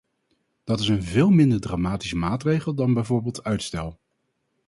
Dat is een veel minder dramatische maatregel dan bijvoorbeeld uitstel.